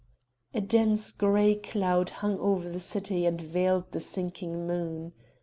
A dense grey cloud hung over the city and veiled the sinking moon.